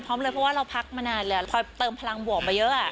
เพราะว่าเราพักมานานแล้วพลอยเติมพลังบวกไปเยอะ